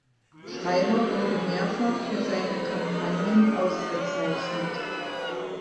Schreiber wurde mehrfach für seine Kampagnen ausgezeichnet.